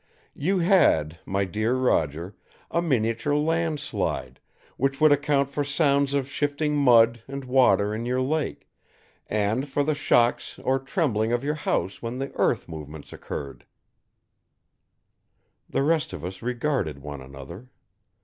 You had, my dear Roger, a miniature landslide, which would account for sounds of shifting mud and water in your lake, and for the shocks or trembling of your house when the earth movements occurred." The rest of us regarded one another.